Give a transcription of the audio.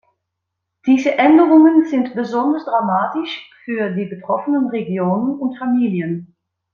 Diese Änderungen sind besonders dramatisch für die betroffenen Regionen und Familien.